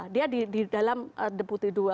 dia di dalam deputi dua